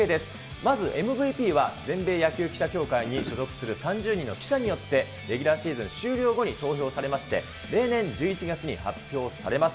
まずＭＶＰは全米野球記者協会に所属する３０人の記者によって、レギュラーシーズン終了後に投票されまして、例年１１月に発表されます。